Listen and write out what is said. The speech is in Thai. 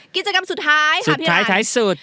กิจกรรมสุดท้ายค่ะพี่ไหล่